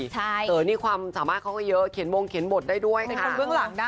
เต๋อนี่ความสามารถเขาก็เยอะเขียนวงเขียนบทได้ด้วยค่ะ